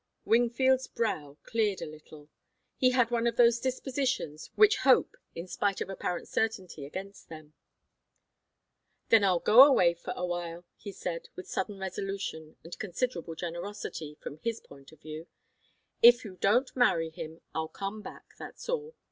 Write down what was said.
Wingfield's brow cleared a little. He had one of those dispositions which hope in spite of apparent certainty against them. "Then I'll go away for awhile," he said, with sudden resolution and considerable generosity, from his point of view. "If you don't marry him, I'll come back, that's all.